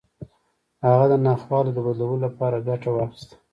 هغه د ناخوالو د بدلولو لپاره ګټه واخيسته.